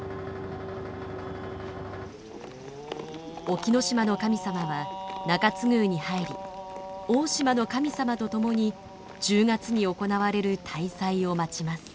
沖ノ島の神様は中津宮に入り大島の神様と共に１０月に行われる大祭を待ちます。